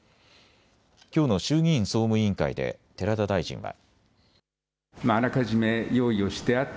きょうの衆議院総務委員会で寺田大臣は。